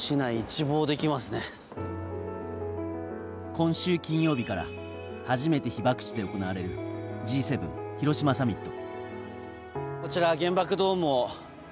今週金曜日から初めて被爆地で開かれるＧ７広島サミット。